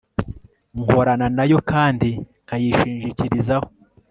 nkorana nayo kandi nkayishingikirizaho